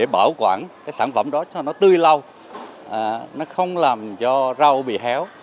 bảo quản cái sản phẩm đó cho nó tươi lâu nó không làm cho rau bị héo